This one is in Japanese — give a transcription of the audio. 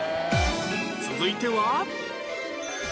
続いては